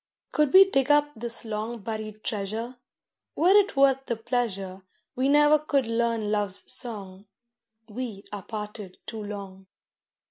COULD we dig up this long buried treasure, Were it worth the pleasure, We never could learn love's song, We are parted too long.